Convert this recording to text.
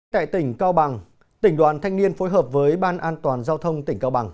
tại tỉnh cao bằng tỉnh đoàn thanh niên phối hợp với ban an toàn giao thông tỉnh cao bằng